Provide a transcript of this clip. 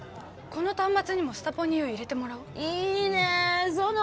この端末にもスタポニを入れてもらおういいね佐奈